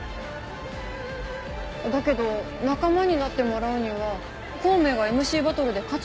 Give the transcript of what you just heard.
だけど仲間になってもらうには孔明がＭＣバトルで勝つのが条件だったんでしょ？